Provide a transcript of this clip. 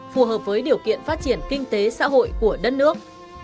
phù hợp với điều kiện phát triển kinh tế xã hội của đất nước